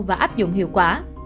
và áp dụng hiệu quả